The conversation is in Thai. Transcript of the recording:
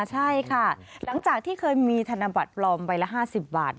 ใช่ค่ะหลังจากที่เคยมีธนบัตรปลอมใบละ๕๐บาท